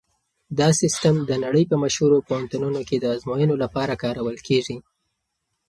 دا سیسټم د نړۍ په مشهورو پوهنتونونو کې د ازموینو لپاره کارول کیږي.